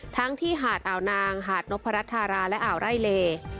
ทั้งที่หาดอ่าวนางหาดนพรัชธาราและอ่าวไร่เล